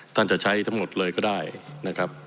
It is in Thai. จะใช้ทั้งหมดเลยก็ได้นะครับ